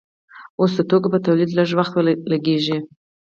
اوس د توکو په تولید لږ وخت لګیږي.